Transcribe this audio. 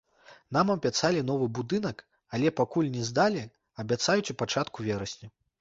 Нам абяцалі новы будынак, але пакуль не здалі, абяцаюць у пачатку верасня.